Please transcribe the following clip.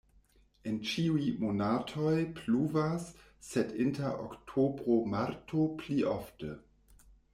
En ĉiuj monatoj pluvas, sed inter oktobro-marto pli ofte.